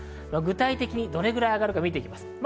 具体的にどれくらい上がるか見ていきます。